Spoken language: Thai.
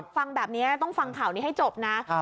ฟังแบบนี้ต้องฟังข่าวนี้ให้จบนะ